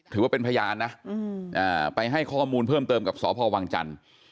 ถือว่าเป็นพยานนะไปให้ข้อมูลเพิ่มเติมกับสพวังจันทร์